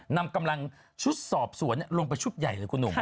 นำกำลังชุดสอบสวนลงไปชุดใหญ่เลยคุณหนุ่ม